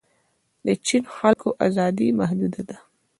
د چین خلکو ازادي محدوده ده.